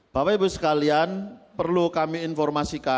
bapak ibu sekalian perlu kami informasikan